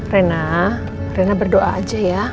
rena rena berdoa aja ya